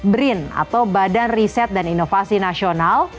brin atau badan riset dan inovasi nasional